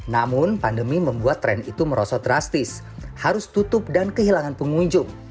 namun pandemi membuat tren itu merosot drastis harus tutup dan kehilangan pengunjung